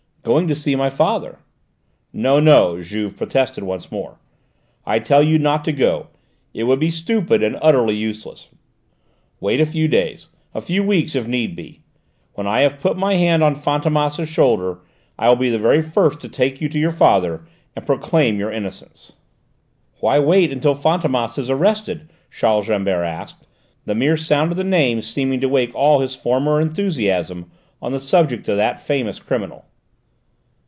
"Going to see my father." "No, no," Juve protested once more. "I tell you not to go. It would be stupid and utterly useless. Wait a few days, a few weeks if need be. When I have put my hand on Fantômas' shoulder, I will be the very first to take you to your father, and proclaim your innocence." "Why wait until Fantômas is arrested?" Charles Rambert asked, the mere sound of the name seeming to wake all his former enthusiasm on the subject of that famous criminal.